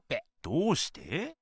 どうして？